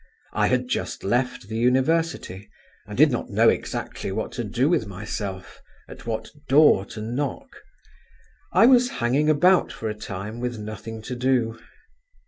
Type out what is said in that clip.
I had just left the university, and did not know exactly what to do with myself, at what door to knock; I was hanging about for a time with nothing to do.